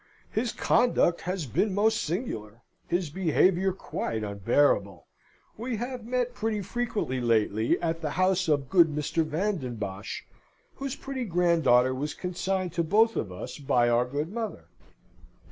His conduct has been most singular; his behaviour quite unbearable. We have met pretty frequently lately at the house of good Mr. Van den Bosch, whose pretty granddaughter was consigned to both of us by our good mother.